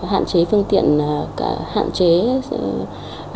hạn chế phương tiện hạn chế xe máy